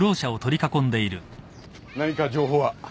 何か情報は？